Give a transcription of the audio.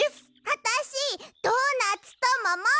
あたしドーナツともも！